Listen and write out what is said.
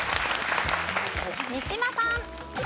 三島さん。